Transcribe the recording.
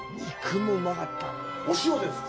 お塩ですか。